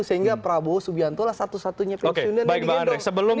sehingga prabowo subianto lah satu satunya pensiunan yang digendong